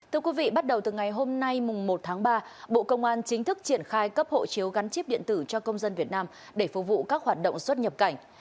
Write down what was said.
thưa quý vị bắt đầu từ ngày hôm nay một tháng ba bộ công an chính thức triển khai cấp hộ chiếu gắn chip điện tử cho công dân việt nam để phục vụ các hoạt động xuất nhập cảnh